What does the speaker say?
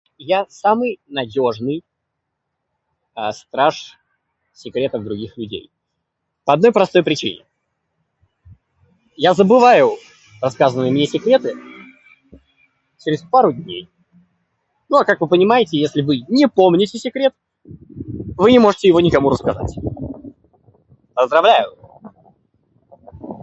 Я самый надёжный, [disfluency|э], страж секретов других людей. По одной простой причине - я забываю рассказанные мне секреты через пару дней. Ну а как вы понимаете, если вы не помните секрет, вы не можете его никому рассказать. Поздравляю!